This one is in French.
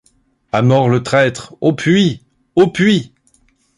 À mort, le traître! au puits ! au puits !